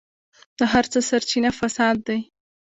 د هر څه سرچينه فساد دی.